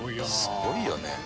「すごいよね」